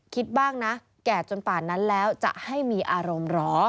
คิดบ้างนะแก่จนป่านนั้นแล้วจะให้มีอารมณ์เหรอ